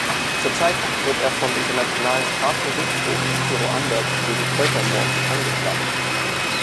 Zurzeit wird er vom Internationalen Strafgerichtshof für Ruanda wegen Völkermords angeklagt.